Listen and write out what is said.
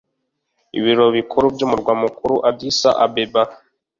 Ibiro bikuru by’Umurwa mukuru Addis Ababa